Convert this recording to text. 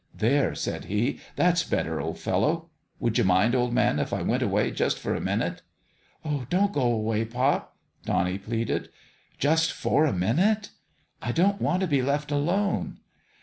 " There !" said he. "That's better, old fellow! Would you mind, old man, if I went away, just for a minute ?"" Don't go away, pop," Donnie pleaded. " Just for a minute." " I don't want to be left alone."